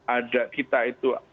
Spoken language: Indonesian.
ada kita itu